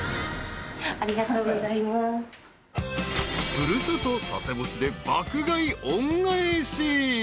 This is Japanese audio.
［古里佐世保市で爆買い恩返し］